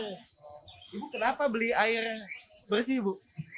ini kenapa beli air bersih bu